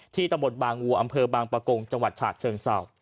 ตำบลบางวัวอำเภอบางประกงจังหวัดฉะเชิงเศร้า